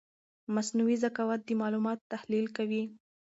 مصنوعي ذکاوت د معلوماتو تحلیل کوي.